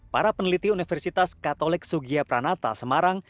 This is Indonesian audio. para peneliti universitas katolik sugiya pranata semarang